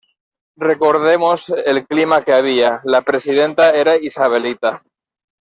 Recordemos el clima que había, la presidenta era Isabelita.